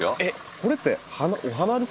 これってお花ですか？